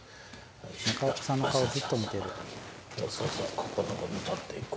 中岡さんの顔ずっと見てる。